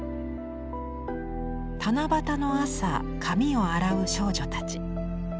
七夕の朝髪を洗う少女たち。